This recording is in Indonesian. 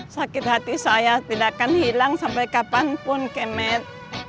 sakit hati saya tidak akan hilang sampai kapanpun kemet